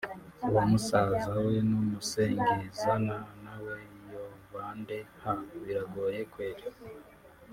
Uwamusazaw Numusengezana Naw Yobande Haaa Biragoye Kweli